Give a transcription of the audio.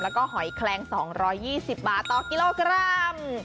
แล้วก็หอยแคลง๒๒๐บาทต่อกิโลกรัม